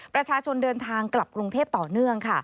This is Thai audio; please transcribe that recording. ประชาชนเดินทางกลับกรุงเทพต่อเนื่องค่ะ